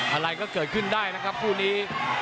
อะไรก็เกิดขึ้นได้นะครับคู่นี้